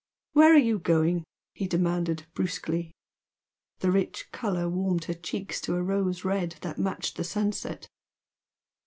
"Where are you going?" he demanded, brusquely. The rich colour warmed her cheeks to a rose red that matched the sunset.